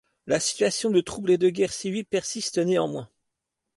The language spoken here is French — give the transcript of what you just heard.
La situation de troubles et de guerre civile persiste néanmoins.